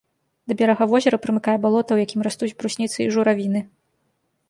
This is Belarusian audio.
Да берага возера прымыкае балота, у якім растуць брусніцы і журавіны.